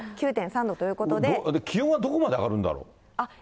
気温はどこまで上がるんだろ